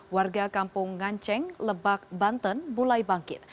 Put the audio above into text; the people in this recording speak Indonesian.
warga kampung nganceng lebak banten mulai bangkit